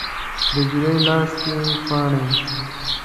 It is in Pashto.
د نجلۍ لاس کې پاڼې